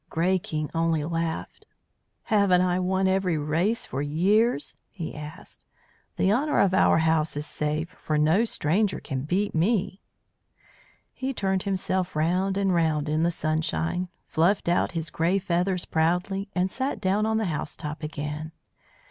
Grey King only laughed. "Haven't I won every race for years?" he asked. "The honour of our house is safe, for no stranger can beat me." He turned himself round and round in the sunshine, fluffed out his grey feathers proudly, and sat down on the housetop again.